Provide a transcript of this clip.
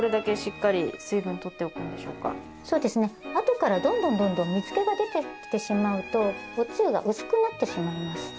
あとからどんどんどんどん水気が出てきてしまうとおつゆが薄くなってしまいます。